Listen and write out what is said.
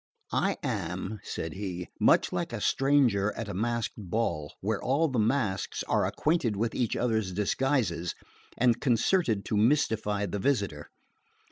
"I am," said he, "much like a stranger at a masked ball, where all the masks are acquainted with each other's disguises and concerted to mystify the visitor.